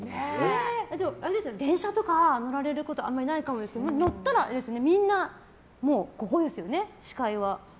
電車とか乗られることあんまりないかもですけど乗ったら、みんなもう、ここですよね、視界は。